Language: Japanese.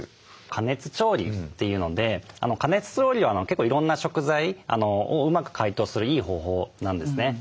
加熱調理というので加熱調理は結構いろんな食材をうまく解凍するいい方法なんですね。